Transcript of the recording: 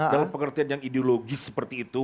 dalam pengertian yang ideologis seperti itu